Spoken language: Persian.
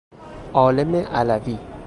عالم علوی